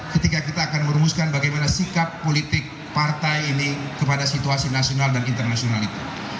ketika kita akan merumuskan bagaimana sikap politik partai ini kepada situasi nasional dan internasional itu